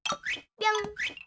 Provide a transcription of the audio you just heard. ぴょん！